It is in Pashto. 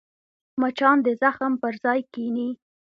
مچان د زخم پر ځای کښېني